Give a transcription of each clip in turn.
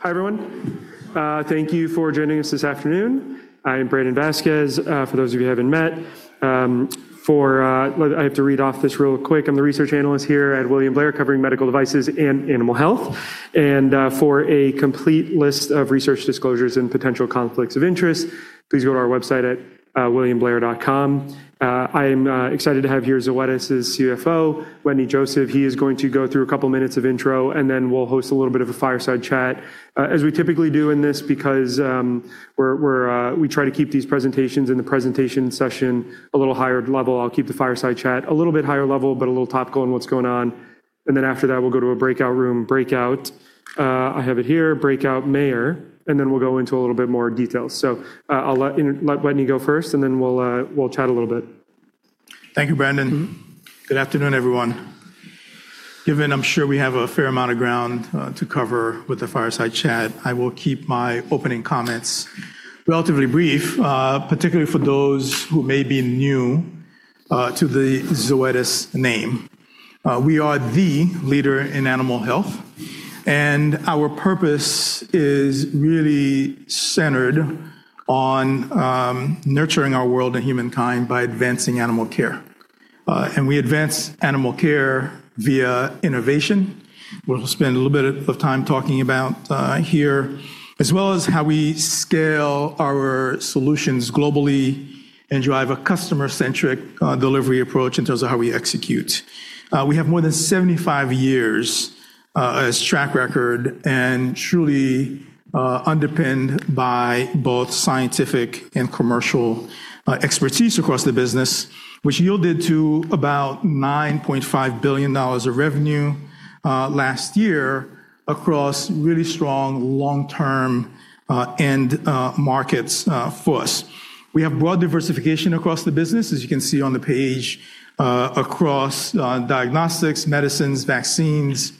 Hi, everyone. Thank you for joining us this afternoon. I am Brandon Vazquez, for those of you who haven't met. I have to read off this real quick. I'm the research analyst here at William Blair, covering medical devices and animal health. For a complete list of research disclosures and potential conflicts of interest, please go to our website at williamblair.com. I'm excited to have here Zoetis' CFO, Wetteny Joseph. He is going to go through a couple minutes of intro, and then we'll host a little bit of a fireside chat. As we typically do in this, because we try to keep these presentations in the presentation session a little higher level. I'll keep the fireside chat a little bit higher level, but a little topical on what's going on. Then after that, we'll go to a breakout room. Breakout, I have it here, breakout Meyer. Then we'll go into a little bit more detail. I'll let Wetteny go first. Then we'll chat a little bit. Thank you, Brandon. Good afternoon, everyone. Given I'm sure we have a fair amount of ground to cover with the fireside chat, I will keep my opening comments relatively brief, particularly for those who may be new to the Zoetis name. We are the leader in animal health. Our purpose is really centered on nurturing our world and humankind by advancing animal care. We advance animal care via innovation. We'll spend a little bit of time talking about here, as well as how we scale our solutions globally and drive a customer-centric delivery approach in terms of how we execute. We have more than 75 years as track record and truly underpinned by both scientific and commercial expertise across the business, which yielded to about $9.5 billion of revenue last year across really strong long-term end markets for us. We have broad diversification across the business, as you can see on the page, across diagnostics, medicines, vaccines,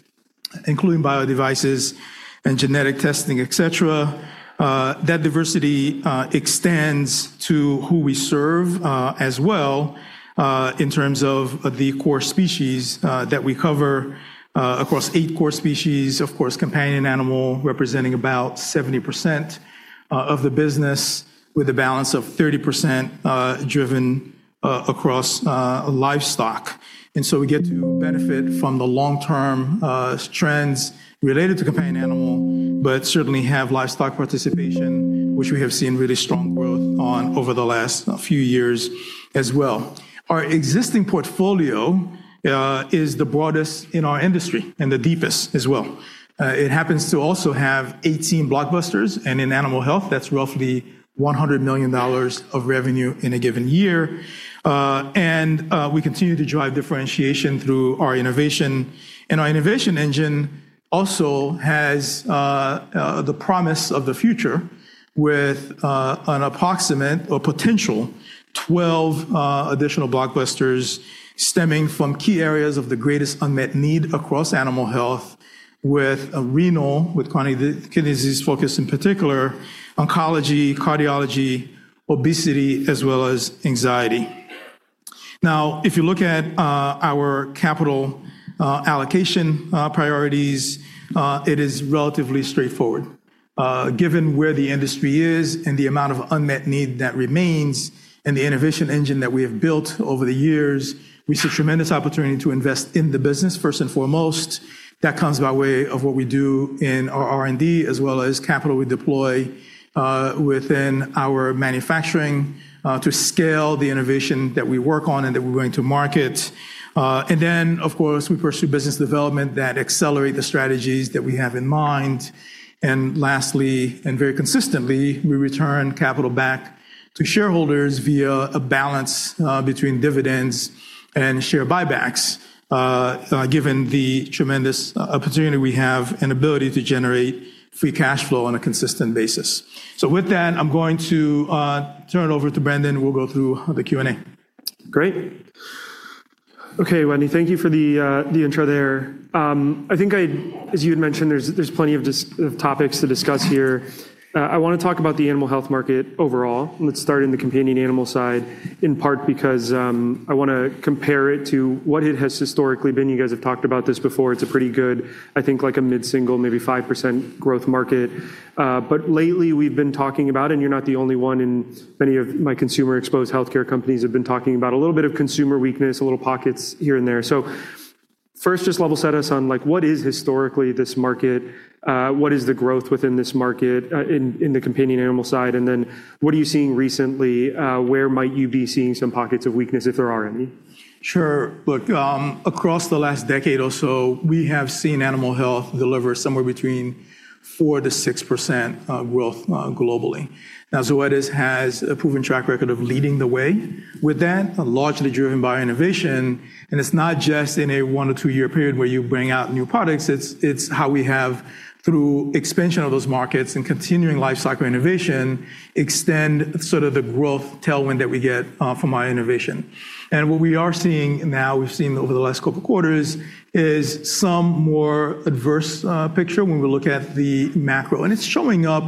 including biodevices and genetic testing, et cetera. That diversity extends to who we serve as well, in terms of the core species that we cover across eight core species. Of course, companion animal representing about 70% of the business with a balance of 30% driven across livestock. So we get to benefit from the long-term trends related to companion animal, but certainly have livestock participation, which we have seen really strong growth on over the last few years as well. Our existing portfolio is the broadest in our industry and the deepest as well. It happens to also have 18 blockbusters, and in animal health, that's roughly $100 million of revenue in a given year. We continue to drive differentiation through our innovation. Our innovation engine also has the promise of the future with an approximate or potential 12 additional blockbusters stemming from key areas of the greatest unmet need across animal health with renal, with chronic kidney disease focus in particular, oncology, cardiology, obesity, as well as anxiety. If you look at our capital allocation priorities, it is relatively straightforward. Given where the industry is and the amount of unmet need that remains and the innovation engine that we have built over the years, we see tremendous opportunity to invest in the business first and foremost. That comes by way of what we do in our R&D as well as capital we deploy within our manufacturing to scale the innovation that we work on and that we bring to market. Of course, we pursue business development that accelerate the strategies that we have in mind. Lastly, and very consistently, we return capital back to shareholders via a balance between dividends and share buybacks, given the tremendous opportunity we have and ability to generate free cash flow on a consistent basis. With that, I'm going to turn it over to Brandon, who will go through the Q&A. Great. Okay, Wetteny, thank you for the intro there. I think as you had mentioned, there's plenty of topics to discuss here. I want to talk about the animal health market overall. Let's start in the companion animal side, in part because I want to compare it to what it has historically been. You guys have talked about this before. It's a pretty good, I think, like a mid-single, maybe 5% growth market. Lately, we've been talking about, and you're not the only one, and many of my consumer-exposed healthcare companies have been talking about a little bit of consumer weakness, little pockets here and there. First, just level set us on what is historically this market? What is the growth within this market in the companion animal side? Then what are you seeing recently? Where might you be seeing some pockets of weakness, if there are any? Sure. Look, across the last decade or so, we have seen animal health deliver somewhere between 4%-6% of growth globally. Zoetis has a proven track record of leading the way with that, largely driven by innovation. It's not just in a one or two-year period where you bring out new products. It's how we have, through expansion of those markets and continuing lifecycle innovation, extend sort of the growth tailwind that we get from our innovation. What we are seeing now, we've seen over the last couple quarters, is some more adverse picture when we look at the macro. It's showing up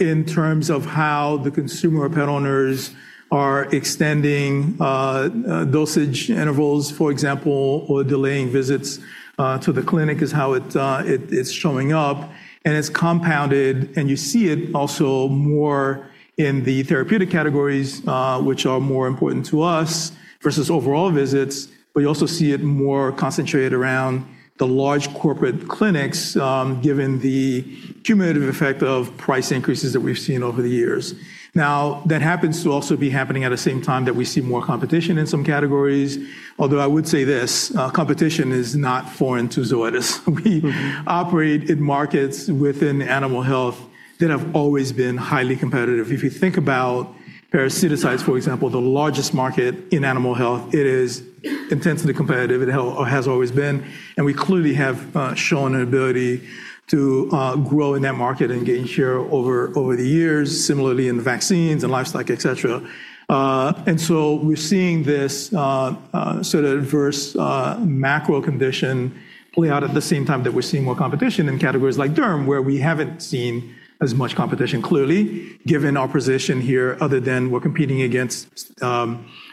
in terms of how the consumer pet owners are extending dosage intervals, for example, or delaying visits to the clinic is how it is showing up, and it's compounded. You see it also more in the therapeutic categories, which are more important to us versus overall visits. You also see it more concentrated around the large corporate clinics given the cumulative effect of price increases that we've seen over the years. That happens to also be happening at the same time that we see more competition in some categories. I would say this, competition is not foreign to Zoetis. We operate in markets within animal health that have always been highly competitive. If you think about parasiticides, for example, the largest market in animal health, it is intensely competitive. It has always been, and we clearly have shown an ability to grow in that market and gain share over the years, similarly in vaccines and livestock, et cetera. We're seeing this sort of adverse macro condition play out at the same time that we're seeing more competition in categories like derm, where we haven't seen as much competition, clearly, given our position here, other than we're competing against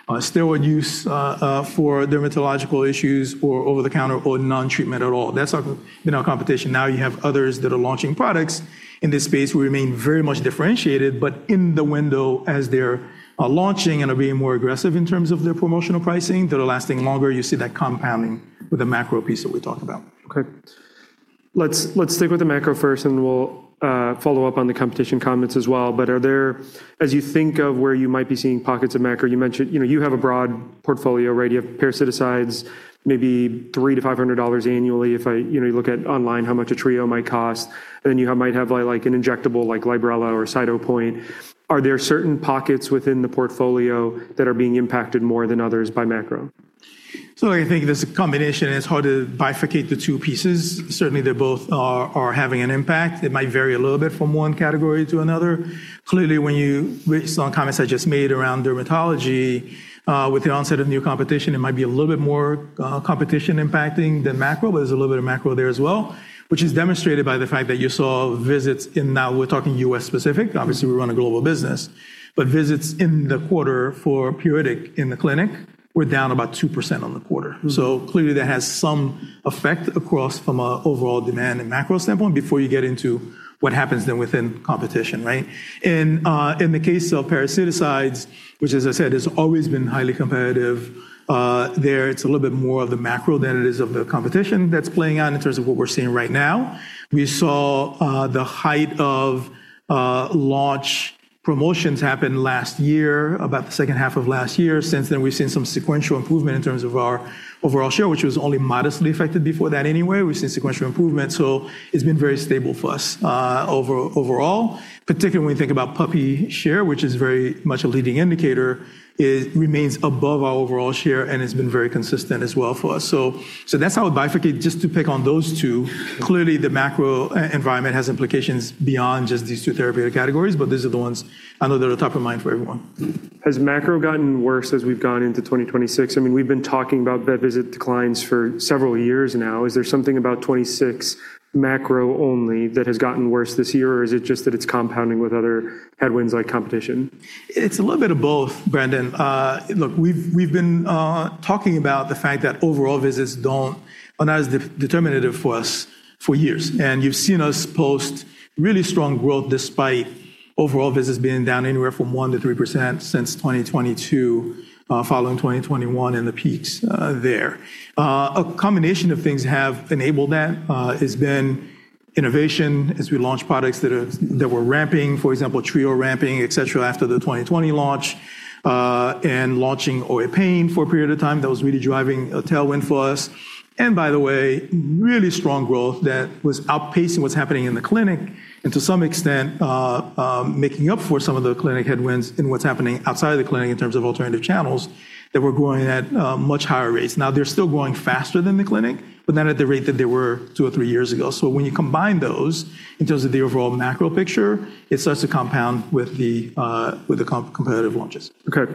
steroid use for dermatological issues or over-the-counter or non-treatment at all. That's been our competition. Now you have others that are launching products in this space. We remain very much differentiated, but in the window as they're launching and are being more aggressive in terms of their promotional pricing, that are lasting longer, you see that compounding with the macro piece that we talked about. Okay. Let's stick with the macro first, and we'll follow up on the competition comments as well. Are there, as you think of where you might be seeing pockets of macro, you mentioned you have a broad portfolio, right? You have parasiticides, maybe $300-$500 annually if you look at online how much a Trio might cost, and then you might have an injectable like Librela or Cytopoint. I think there's a combination. It's hard to bifurcate the two pieces. Certainly, they both are having an impact. It might vary a little bit from one category to another. Clearly, based on comments I just made around dermatology, with the onset of new competition, it might be a little bit more competition impacting than macro, but there's a little bit of macro there as well, which is demonstrated by the fact that you saw visits in, now we're talking U.S.-specific. Obviously, we run a global business, visits in the quarter for pruritic in the clinic were down about 2% on the quarter. Clearly that has some effect across from an overall demand and macro standpoint before you get into what happens then within competition, right? In the case of parasiticides, which as I said, has always been highly competitive, there it's a little bit more of the macro than it is of the competition that's playing out in terms of what we're seeing right now. We saw the height of launch promotions happen last year, about the second half of last year. Since then, we've seen some sequential improvement in terms of our overall share, which was only modestly affected before that anyway. We've seen sequential improvement. It's been very stable for us overall, particularly when you think about puppy share, which is very much a leading indicator. It remains above our overall share and has been very consistent as well for us. That's how I would bifurcate just to pick on those two. Clearly, the macro environment has implications beyond just these two therapeutic categories, but these are the ones I know that are top of mind for everyone. Has macro gotten worse as we've gone into 2026? We've been talking about vet visit declines for several years now. Is there something about 2026 macro only that has gotten worse this year, or is it just that it's compounding with other headwinds like competition? It's a little bit of both, Brandon. Look, we've been talking about the fact that overall visits aren't as determinative for us for years, and you've seen us post really strong growth despite overall visits being down anywhere from 1%-3% since 2022, following 2021 and the peaks there. A combination of things have enabled that. It's been innovation as we launch products that were ramping, for example, Trio ramping, et cetera, after the 2020 launch. Launching OA pain for a period of time, that was really driving a tailwind for us. By the way, really strong growth that was outpacing what's happening in the clinic and to some extent, making up for some of the clinic headwinds in what's happening outside of the clinic in terms of alternative channels that were growing at much higher rates. They're still growing faster than the clinic, but not at the rate that they were two or three years ago. When you combine those in terms of the overall macro picture, it starts to compound with the competitive launches. Okay.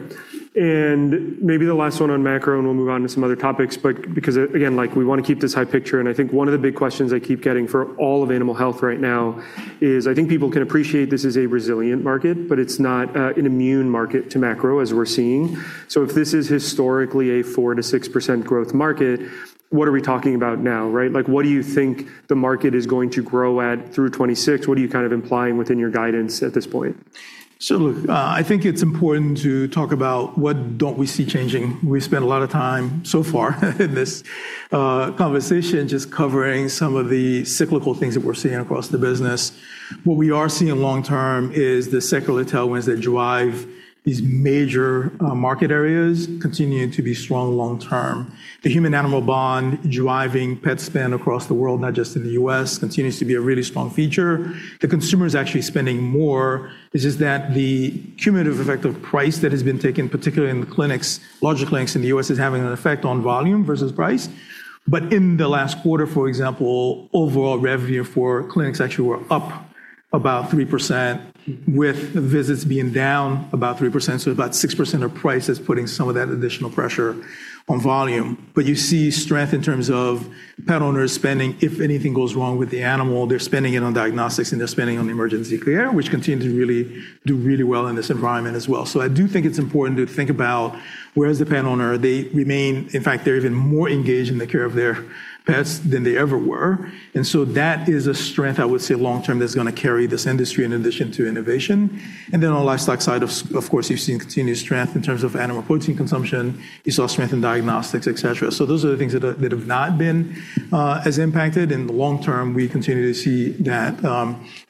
Maybe the last one on macro, and we'll move on to some other topics. Because again, we want to keep this high picture, and I think one of the big questions I keep getting for all of animal health right now is, I think people can appreciate this is a resilient market, but it's not an immune market to macro as we're seeing. If this is historically a 4%-6% growth market, what are we talking about now, right? What do you think the market is going to grow at through 2026? What are you implying within your guidance at this point? Look, I think it's important to talk about what don't we see changing. We spent a lot of time so far in this conversation just covering some of the cyclical things that we're seeing across the business. What we are seeing long term is the secular tailwinds that drive these major market areas continuing to be strong long term. The human animal bond driving pet spend across the world, not just in the U.S., continues to be a really strong feature. The consumer is actually spending more. It's just that the cumulative effect of price that has been taken, particularly in the larger clinics in the U.S., is having an effect on volume versus price. In the last quarter, for example, overall revenue for clinics actually were up about 3% with visits being down about 3%. About 6% of price is putting some of that additional pressure on volume. You see strength in terms of pet owners spending. If anything goes wrong with the animal, they're spending it on diagnostics and they're spending on emergency care, which continue to really do really well in this environment as well. I do think it's important to think about where is the pet owner. In fact, they're even more engaged in the care of their pets than they ever were, and so that is a strength, I would say, long term, that's going to carry this industry in addition to innovation. On the livestock side, of course, you've seen continued strength in terms of animal protein consumption. You saw strength in diagnostics, et cetera. Those are the things that have not been as impacted. In the long term, we continue to see that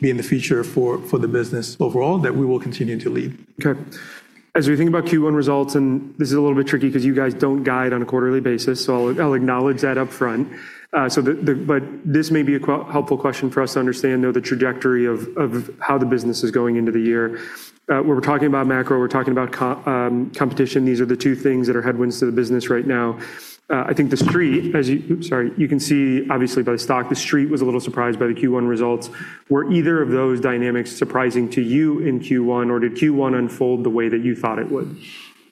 being the feature for the business overall that we will continue to lead. As we think about Q1 results, this is a little bit tricky because you guys don't guide on a quarterly basis, I'll acknowledge that upfront. This may be a helpful question for us to understand, though, the trajectory of how the business is going into the year. When we're talking about macro, we're talking about competition. These are the two things that are headwinds to the business right now. I think the street, Oops, sorry. You can see obviously by the stock, the street was a little surprised by the Q1 results. Were either of those dynamics surprising to you in Q1, or did Q1 unfold the way that you thought it would?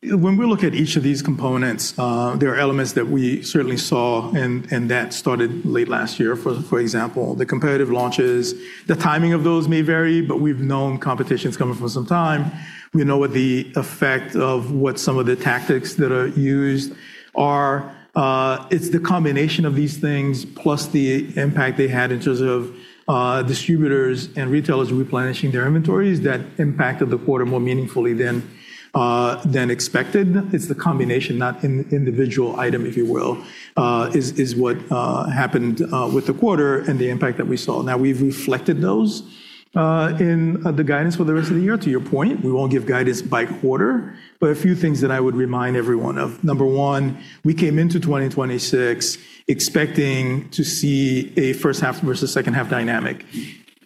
When we look at each of these components, there are elements that we certainly saw, and that started late last year. For example, the competitive launches. The timing of those may vary, we've known competition's coming for some time. We know what the effect of what some of the tactics that are used are. It's the combination of these things plus the impact they had in terms of distributors and retailers replenishing their inventories that impacted the quarter more meaningfully than expected. It's the combination, not individual item, if you will, is what happened with the quarter and the impact that we saw. Now we've reflected those in the guidance for the rest of the year. To your point, we won't give guidance by quarter, a few things that I would remind everyone of. Number one, we came into 2026 expecting to see a first half versus second half dynamic.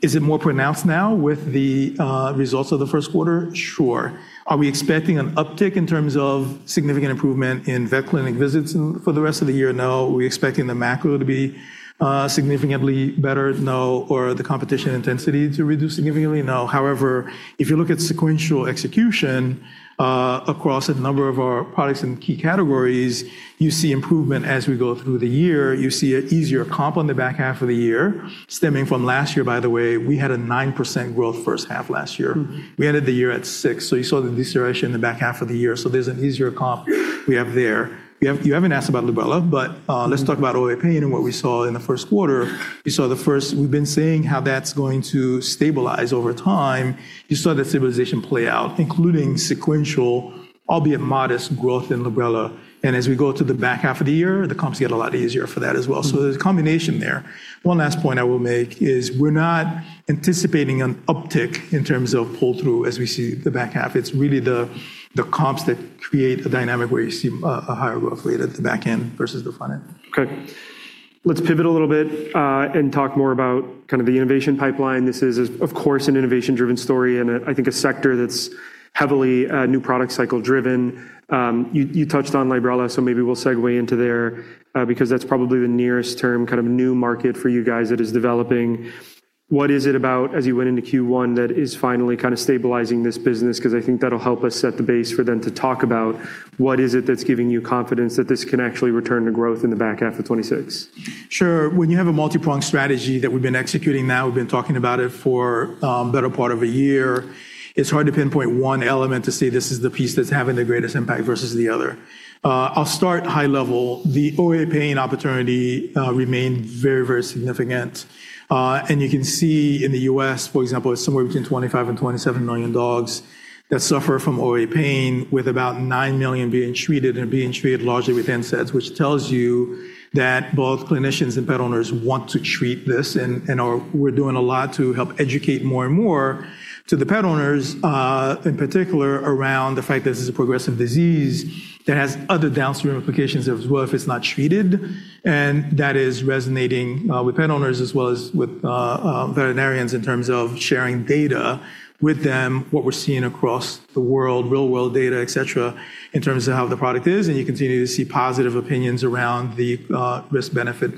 Is it more pronounced now with the results of the first quarter? Sure. Are we expecting an uptick in terms of significant improvement in vet clinic visits for the rest of the year? No. Are we expecting the macro to be significantly better? No. The competition intensity to reduce significantly? No. However, if you look at sequential execution across a number of our products in key categories, you see improvement as we go through the year. You see an easier comp on the back half of the year stemming from last year, by the way. We had a 9% growth first half last year. We ended the year at 6%, you saw the deceleration in the back half of the year. There's an easier comp we have there. You haven't asked about Librela, but let's talk about OA pain and what we saw in the first quarter. We've been saying how that's going to stabilize over time. You saw that stabilization play out, including sequential, albeit modest, growth in Librela. As we go to the back half of the year, the comps get a lot easier for that as well. There's a combination there. One last point I will make is we're not anticipating an uptick in terms of pull-through as we see the back half. It's really the comps that create a dynamic where you see a higher growth rate at the back end versus the front end. Okay. Let's pivot a little bit, and talk more about the innovation pipeline. This is, of course, an innovation-driven story and I think a sector that's heavily new product cycle driven. You touched on Librela, so maybe we'll segue into there, because that's probably the nearest term new market for you guys that is developing. What is it about as you went into Q1 that is finally stabilizing this business? Because I think that'll help us set the base for then to talk about what is it that's giving you confidence that this can actually return to growth in the back half of 2026. Sure. When you have a multi-pronged strategy that we've been executing now, we've been talking about it for the better part of a year, it's hard to pinpoint one element to say this is the piece that's having the greatest impact versus the other. I'll start high level. The OA pain opportunity remained very, very significant. You can see in the U.S., for example, it's somewhere between 25 million and 27 million dogs that suffer from OA pain, with about 9 million being treated and being treated largely with NSAIDs, which tells you that both clinicians and pet owners want to treat this. We're doing a lot to help educate more and more to the pet owners, in particular around the fact that this is a progressive disease that has other downstream implications as well if it's not treated. That is resonating with pet owners as well as with veterinarians in terms of sharing data with them, what we're seeing across the world, real world data, et cetera, in terms of how the product is. You continue to see positive opinions around the risk-benefit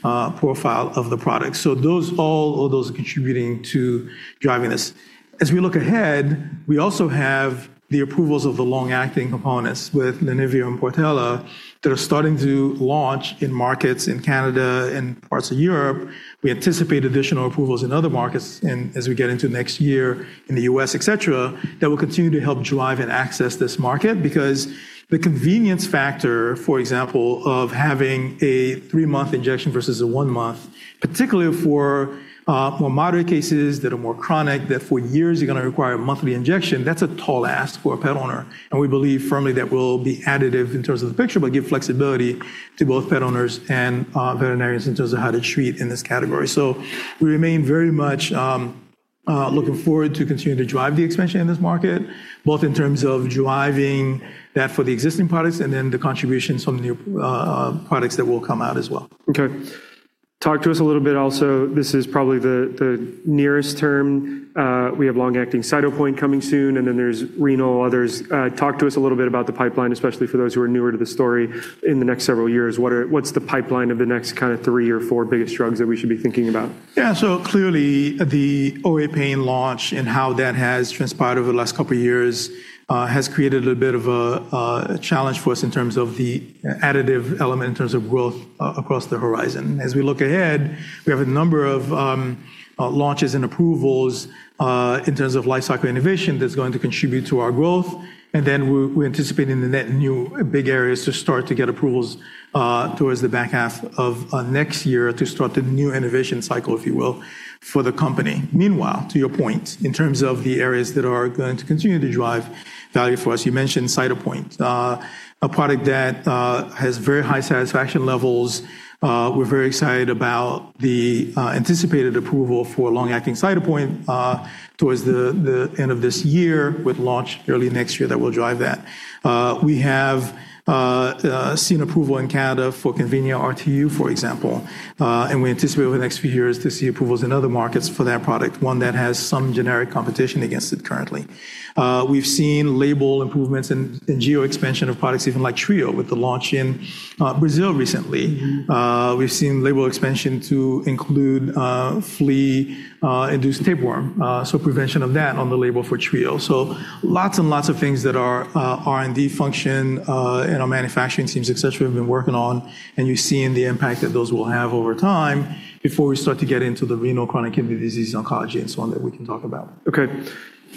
profile of the product. All those are contributing to driving this. As we look ahead, we also have the approvals of the long-acting components with LENIVIA and PORTELA that are starting to launch in markets in Canada and parts of Europe. We anticipate additional approvals in other markets as we get into next year in the U.S., et cetera, that will continue to help drive and access this market because the convenience factor, for example, of having a three-month injection versus a one-month, particularly for more moderate cases that are more chronic, that for years are going to require a monthly injection, that's a tall ask for a pet owner, and we believe firmly that will be additive in terms of the picture, but give flexibility to both pet owners and veterinarians in terms of how to treat in this category. We remain very much looking forward to continuing to drive the expansion in this market, both in terms of driving that for the existing products and then the contributions from the new products that will come out as well. Okay. Talk to us a little bit also, this is probably the nearest term. We have long-acting Cytopoint coming soon, and then there's renal, others. Talk to us a little bit about the pipeline, especially for those who are newer to the story in the next several years. What's the pipeline of the next kind of three or four biggest drugs that we should be thinking about? Yeah. Clearly the OA pain launch and how that has transpired over the last couple of years has created a bit of a challenge for us in terms of the additive element in terms of growth across the horizon. As we look ahead, we have a number of launches and approvals in terms of life cycle innovation that's going to contribute to our growth, then we're anticipating the net new big areas to start to get approvals towards the back half of next year to start a new innovation cycle, if you will, for the company. Meanwhile, to your point, in terms of the areas that are going to continue to drive value for us, you mentioned Cytopoint, a product that has very high satisfaction levels. We're very excited about the anticipated approval for long-acting Cytopoint towards the end of this year with launch early next year that will drive that. We have seen approval in Canada for Convenia RTU, for example, and we anticipate over the next few years to see approvals in other markets for that product, one that has some generic competition against it currently. We've seen label improvements and geo expansion of products even like Trio with the launch in Brazil recently. We've seen label expansion to include flea-induced tapeworm, so prevention of that on the label for Trio. Lots and lots of things that our R&D function and our manufacturing teams, et cetera, have been working on, and you're seeing the impact that those will have over time before we start to get into the renal chronic kidney disease, oncology, and so on that we can talk about. Okay.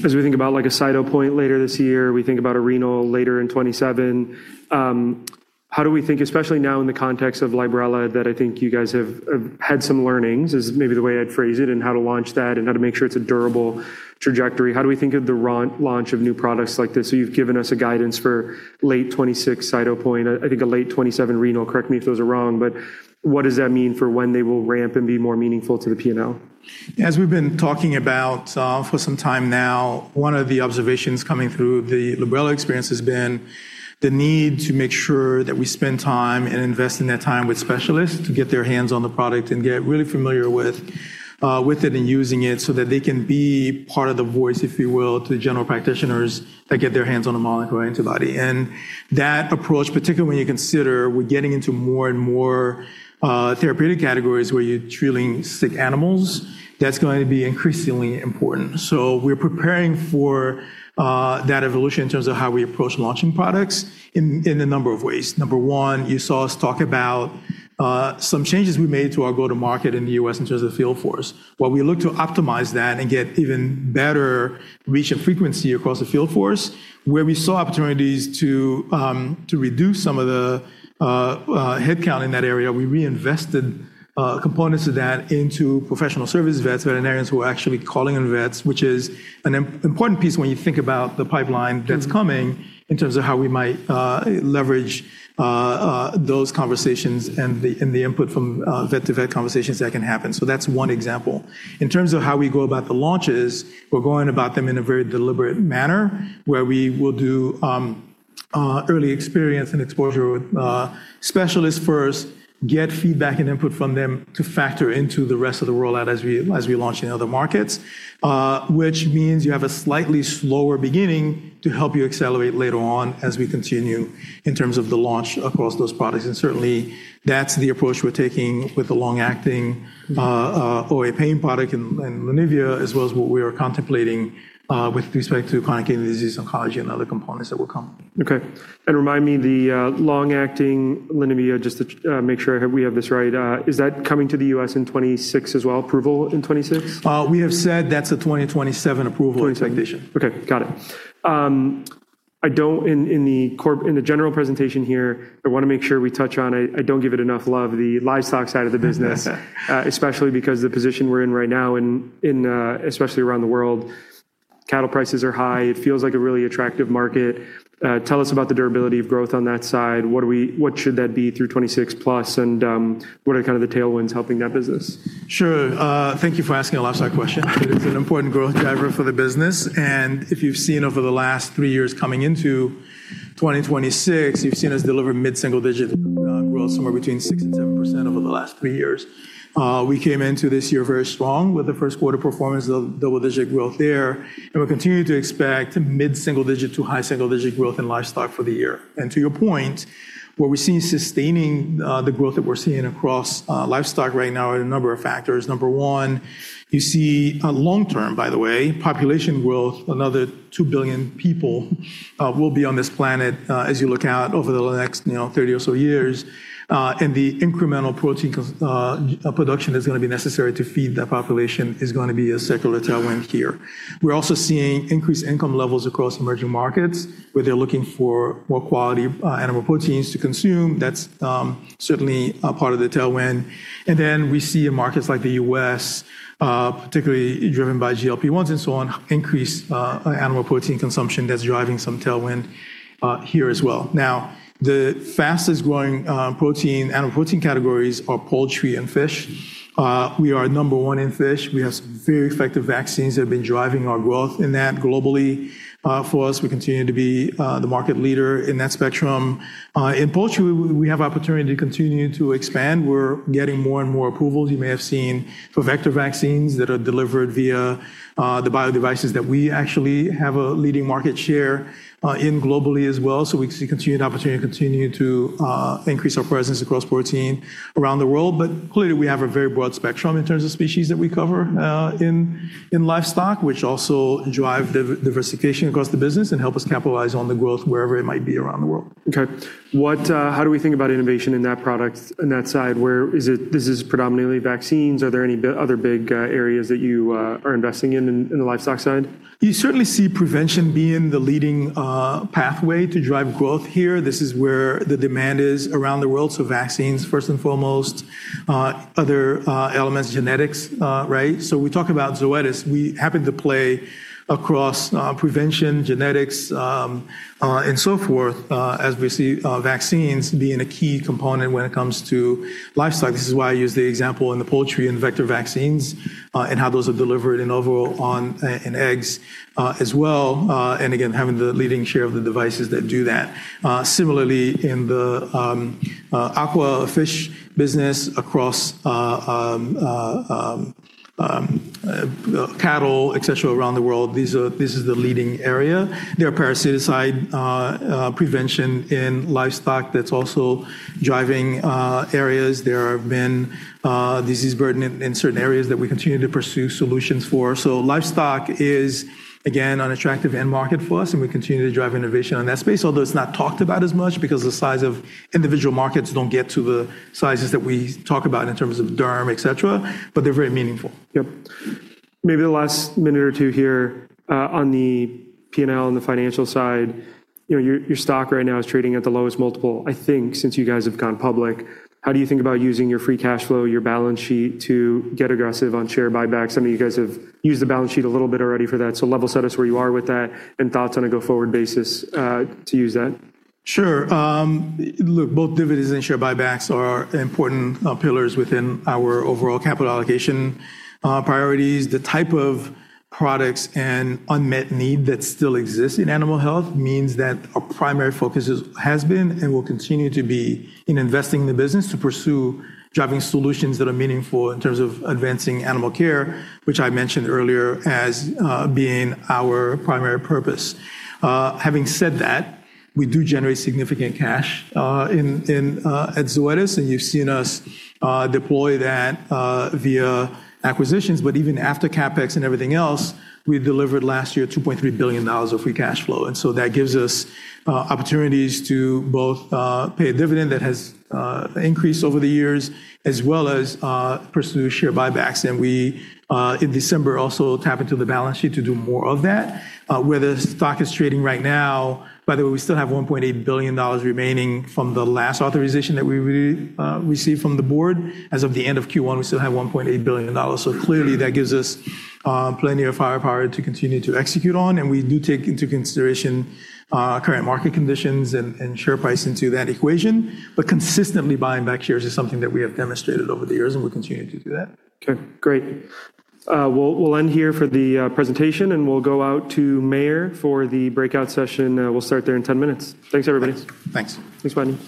As we think about a Cytopoint later this year, we think about a renal later in 2027. How do we think, especially now in the context of Librela, that I think you guys have had some learnings, is maybe the way I'd phrase it, in how to launch that and how to make sure it's a durable trajectory. How do we think of the launch of new products like this? You've given us a guidance for late 2026 Cytopoint, I think a late 2027 renal. Correct me if those are wrong. What does that mean for when they will ramp and be more meaningful to the P&L? As we've been talking about for some time now, one of the observations coming through the Librela experience has been the need to make sure that we spend time and invest in that time with specialists to get their hands on the product and get really familiar with it and using it so that they can be part of the voice, if you will, to the general practitioners that get their hands on a molecule or antibody. That approach, particularly when you consider we're getting into more and more therapeutic categories where you're treating sick animals, that's going to be increasingly important. We're preparing for that evolution in terms of how we approach launching products in a number of ways. Number one, you saw us talk about some changes we made to our go-to-market in the U.S. in terms of the field force. While we look to optimize that and get even better reach and frequency across the field force, where we saw opportunities to reduce some of the headcount in that area, we reinvested components of that into professional service vets, veterinarians who are actually calling on vets, which is an important piece when you think about the pipeline that's coming in terms of how we might leverage those conversations and the input from vet-to-vet conversations that can happen. That's one example. In terms of how we go about the launches, we're going about them in a very deliberate manner where we will do early experience and exposure with specialists first, get feedback and input from them to factor into the rest of the rollout as we launch in other markets, which means you have a slightly slower beginning to help you accelerate later on as we continue in terms of the launch across those products. Certainly that's the approach we're taking with the long-acting OA pain product in LENIVIA as well as what we are contemplating with respect to chronic kidney disease, oncology, and other components that will come. Okay. Remind me, the long-acting LENIVIA, just to make sure we have this right, is that coming to the U.S. in 2026 as well, approval in 2026? We have said that's a 2027 approval expectation. Okay. Got it. In the general presentation here, I want to make sure we touch on, I don't give it enough love, the livestock side of the business especially because the position we're in right now especially around the world, cattle prices are high. It feels like a really attractive market. Tell us about the durability of growth on that side. What should that be through 2026+? What are kind of the tailwinds helping that business? Sure. Thank you for asking a livestock question because it's an important growth driver for the business. If you've seen over the last three years coming into 2026, you've seen us deliver mid-single-digit growth somewhere between 6% and 7% over the last three years. We came into this year very strong with the first quarter performance, double-digit growth there, and we're continuing to expect mid-single-digit to high single-digit growth in livestock for the year. To your point, what we're seeing sustaining the growth that we're seeing across livestock right now are a number of factors. Number one, you see a long-term, by the way, population growth, another 2 billion people will be on this planet as you look out over the next 30 or so years. The incremental protein production that's going to be necessary to feed that population is going to be a secular tailwind here. We're also seeing increased income levels across emerging markets where they're looking for more quality animal proteins to consume. That's certainly a part of the tailwind. We see in markets like the U.S. particularly driven by GLP-1s and so on, increased animal protein consumption that's driving some tailwind here as well. The fastest-growing animal protein categories are poultry and fish. We are number one in fish. We have some very effective vaccines that have been driving our growth in that globally. We continue to be the market leader in that spectrum. In poultry, we have opportunity to continue to expand. We're getting more and more approvals. You may have seen for vector vaccines that are delivered via the biodevices that we actually have a leading market share in globally as well. We see continued opportunity to continue to increase our presence across protein around the world. Clearly, we have a very broad spectrum in terms of species that we cover in livestock, which also drive diversification across the business and help us capitalize on the growth wherever it might be around the world. Okay. How do we think about innovation in that product, in that side? This is predominantly vaccines. Are there any other big areas that you are investing in the livestock side? You certainly see prevention being the leading pathway to drive growth here. This is where the demand is around the world. Vaccines, first and foremost. Other elements, genetics, right? We talk about Zoetis. We happen to play across prevention, genetics, and so forth, as we see vaccines being a key component when it comes to livestock. This is why I use the example in the poultry and vector vaccines and how those are delivered in overall in eggs as well. Again, having the leading share of the devices that do that. Similarly, in the aqua fish business across cattle, et cetera, around the world, this is the leading area. There are parasiticide prevention in livestock that's also driving areas. There have been disease burden in certain areas that we continue to pursue solutions for. Livestock is, again, an attractive end market for us, and we continue to drive innovation in that space, although it's not talked about as much because the size of individual markets don't get to the sizes that we talk about in terms of derm, et cetera, but they're very meaningful. Yep. Maybe the last minute or two here on the P&L and the financial side. Your stock right now is trading at the lowest multiple, I think, since you guys have gone public. How do you think about using your free cash flow, your balance sheet to get aggressive on share buybacks? I mean, you guys have used the balance sheet a little bit already for that. Level set us where you are with that and thoughts on a go-forward basis to use that. Sure. Look, both dividends and share buybacks are important pillars within our overall capital allocation priorities. The type of products and unmet need that still exists in animal health means that our primary focus has been and will continue to be in investing in the business to pursue driving solutions that are meaningful in terms of advancing animal care, which I mentioned earlier as being our primary purpose. Having said that, we do generate significant cash at Zoetis, and you've seen us deploy that via acquisitions. But even after CapEx and everything else, we delivered last year $2.3 billion of free cash flow. That gives us opportunities to both pay a dividend that has increased over the years, as well as pursue share buybacks. We, in December, also tap into the balance sheet to do more of that. Where the stock is trading right now, by the way, we still have $1.8 billion remaining from the last authorization that we received from the Board. As of the end of Q1, we still have $1.8 billion. Clearly that gives us plenty of firepower to continue to execute on, and we do take into consideration current market conditions and share price into that equation. Consistently buying back shares is something that we have demonstrated over the years, and we'll continue to do that. Okay, great. We'll end here for the presentation, and we'll go out to Meyer for the breakout session. We'll start there in 10 minutes. Thanks, everybody. Thanks. Thanks, Buddy.